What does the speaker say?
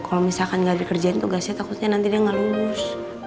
kalo misalkan gak dikerjain tugasnya takutnya nanti dia gak lulus